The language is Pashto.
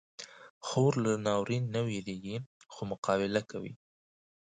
خور له ناورین نه وېریږي، خو مقابله کوي.